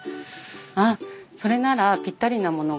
あっそれならぴったりなものがありますよ。